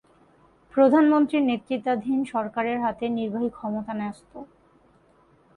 প্রধানমন্ত্রীর নেতৃত্বাধীন সরকারের হাতে নির্বাহী ক্ষমতা ন্যস্ত।